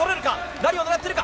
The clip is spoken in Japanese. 何を狙っているか。